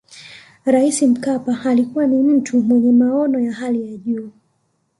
rais mkapa alikuwa ni mtu mwenye maono ya hali ya juu